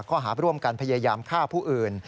ข้อหาร่วมกันพยายามฆ่าผู้อื่น